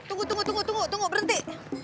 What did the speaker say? tunggu tunggu tunggu tunggu berhenti